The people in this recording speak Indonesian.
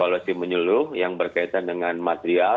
evaluasi menyeluruh yang berkaitan dengan material